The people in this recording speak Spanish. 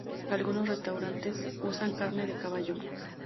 Algunos restaurantes usan carne de caballo.